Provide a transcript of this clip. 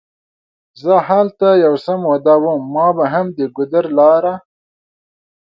زه هلته یو څه موده وم، ما به هم د ګودر لاره.